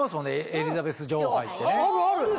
エリザベス女王杯ってね。